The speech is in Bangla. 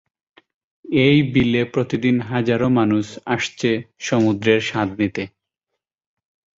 এই বিলে প্রতিদিন হাজারো মানুষ আসছেন সমুদ্রের স্বাদ নিতে।